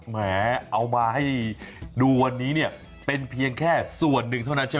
ข้างบัวแห่งสันยินดีต้อนรับทุกท่านนะครับ